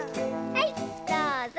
はいどうぞ。